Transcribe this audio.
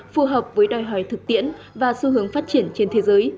phù hợp với đòi hỏi thực tiễn và xu hướng phát triển trên thế giới